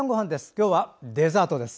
今日はデザートです。